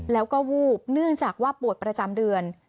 แล้วก็วูบเนื่องจากว่าปวดประจำเดือน